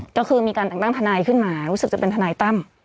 ก็คือมีการแต่งตั้งทนายขึ้นมารู้สึกจะเป็นทนายตั้ม